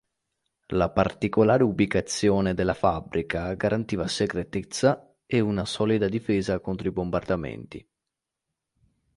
La particolare ubicazione della fabbrica garantiva segretezza e una solida difesa contro i bombardamenti.